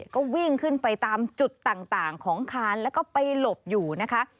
ก็วิ่งขึ้นไปตามจุดต่างของคานแล้วก็ไปหลบอยู่นะคะ